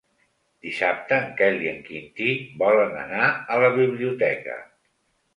Dissabte en Quel i en Quintí volen anar a la biblioteca.